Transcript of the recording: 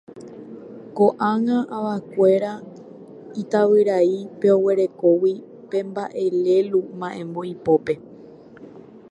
ko'ág̃a avakuéra itavyrai pe orekógui pe mba'e lélu mba'émbo ipópe.